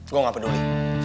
gue gak peduli